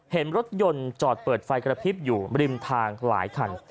เห็นรถยนต์จอดเปิดไฟกระพริบอยู่ริมทางหลายคัน